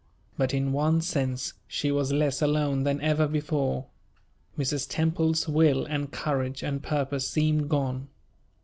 But in one sense she was less alone than ever before. Mrs. Temple's will and courage and purpose seemed gone.